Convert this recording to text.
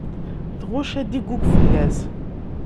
Tɣucc ad iggug fell-as.